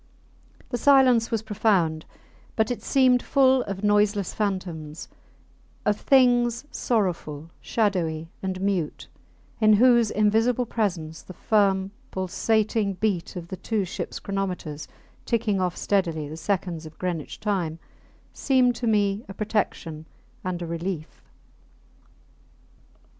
The silence was profound; but it seemed full of noiseless phantoms, of things sorrowful, shadowy, and mute, in whose invisible presence the firm, pulsating beat of the two ships chronometers ticking off steadily the seconds of Greenwich Time seemed to me a protection and a relief.